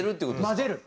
混ぜる。